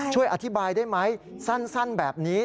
ช่วยอธิบายได้ไหมสั้นแบบนี้